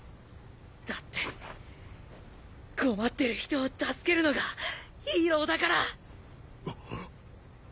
だって困ってる人を助けるのがヒーローだから！